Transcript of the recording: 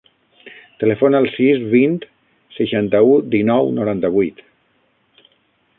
Telefona al sis, vint, seixanta-u, dinou, noranta-vuit.